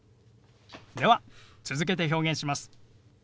では続けて表現します。